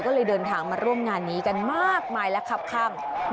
ก็เลยเดินทางมาร่วมงานนี้กันมากมายและคับข้าง